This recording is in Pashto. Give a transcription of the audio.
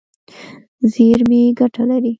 زیرمې ګټه لري.